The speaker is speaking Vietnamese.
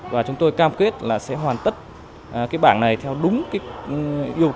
và chúng tôi cam kết là sẽ hoàn tất bảng này theo đúng yêu cầu của ủy ban thành phố